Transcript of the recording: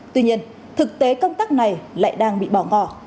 tuy nhiên thực tế công tác này lại đang bị bỏ ngỏ